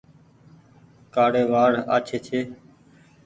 ڪآڙي وآڙ آڇي ڇي۔